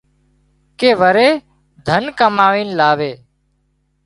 ڪي وري ڌن ڪامئينَ لاوي